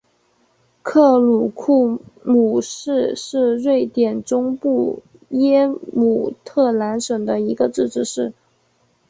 克鲁库姆市是瑞典中部耶姆特兰省的一个自治市。